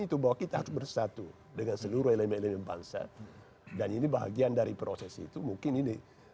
itu bahwa kita harus bersatu dengan seluruh elemen elemen bangsa dan ini bahagian dari proses itu mungkin ini